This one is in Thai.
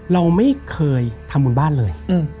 เราไม่เคยทำบุญบ้านเลย